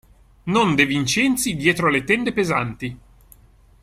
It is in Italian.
Non De Vincenzi dietro le tende pesanti.